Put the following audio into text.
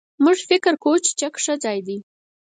موږ فکر کوو چې چک ښه ځای دی.